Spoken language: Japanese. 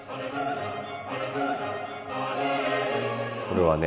これはね